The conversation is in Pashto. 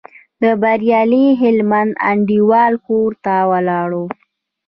د بریالي هلمند انډیوال کور ته ولاړو.